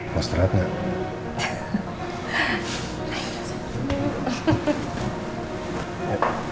mas terat nek